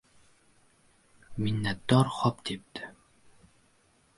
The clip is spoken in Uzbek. Minnatdor pop debdi: